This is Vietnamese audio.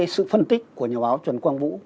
sự phân tích của nhà báo trần quang vũ